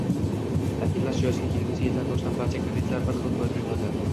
Ta'kidlash joizki, kelgusi yildan boshlab barcha kreditlar bir xil foizli bo'ladi